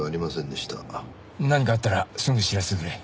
何かあったらすぐ知らせてくれ。